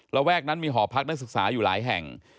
ระแวกนั้นมีหอพักนักศึกษาอยู่หลายแห่ง